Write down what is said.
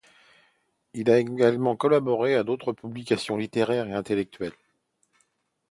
Il a également collaboré à d'autres publications littéraires et intellectuelles.